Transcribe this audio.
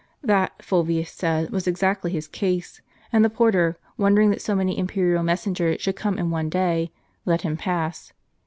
That, Fulvius said, was exactly his case ; and the porter, wondering that so many imperial mes sengers should come in one day, let him pass.